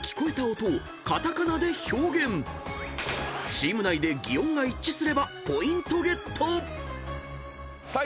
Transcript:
［チーム内で擬音が一致すればポイントゲット］